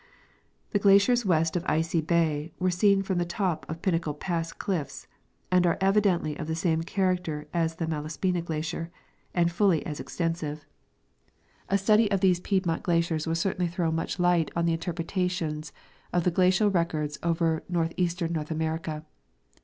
The glaciers west of Icy bay were seen from the top of Pin nacle pass cliffs, and are evidently of the same character as the Malaspina glacier and fully as extensive. A study of these Pied 188 I. C. Russell — Exj^edition to Mount St. Elias. mont glaciers will certainly throw much light on the interpreta tions of the glacial records over northeastern North America.